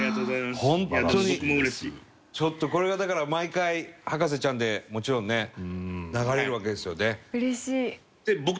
ちょっとこれがだから毎回『博士ちゃん』でもちろんね流れるわけですよね。